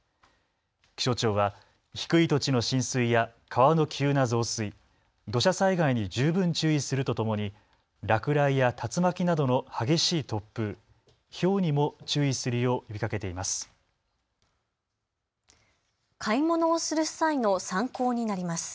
気象庁は低い土地の浸水や川の急な増水、土砂災害に十分注意するとともに落雷や竜巻などの激しい突風、ひょうにも注意するよう呼びかけています。